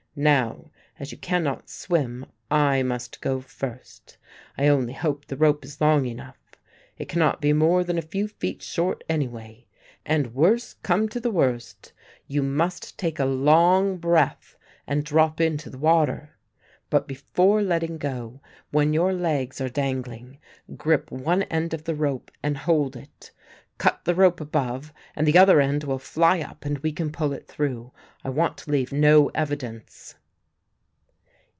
"Now, as you cannot swim I must go first. I only hope the rope is long enough. It cannot be more than a few feet short anyway, and worse come to the worst you must take a long breath and drop into the water. But before letting go, when your legs are dangling, grip one end of the rope and hold it, cut the rope above and the other end will fly up and we can pull it through. I want to leave no evidence."